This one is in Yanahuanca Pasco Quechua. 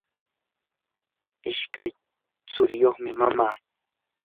ishkay churiyuqmi mama.